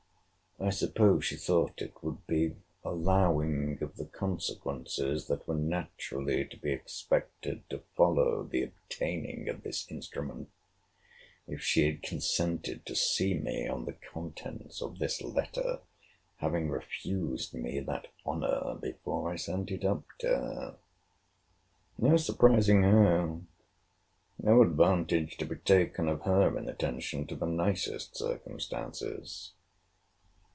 I suppose she thought it would be allowing of the consequences that were naturally to be expected to follow the obtaining of this instrument, if she had consented to see me on the contents of this letter, having refused me that honour before I sent it up to her.—No surprising her.—No advantage to be taken of her inattention to the nicest circumstances.